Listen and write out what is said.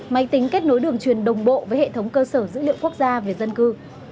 máy tính kết nối đường truyền đồng bộ với hệ thống cơ sở dữ liệu quốc gia về dân cư